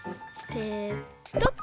ペトッ。